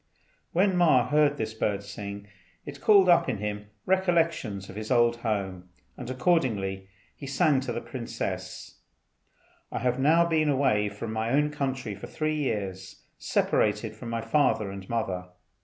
When Ma heard this bird sing, it called up in him recollections of his old home, and accordingly he said to the princess, "I have now been away from my own country for three years, separated from my father and mother.